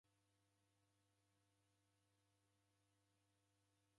Otumia matasa kukora modo.